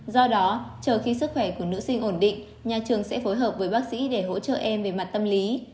do đó chờ khi sức khỏe của nữ sinh ổn định nhà trường sẽ phối hợp với bác sĩ để hỗ trợ em về mặt tâm lý